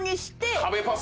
壁パス。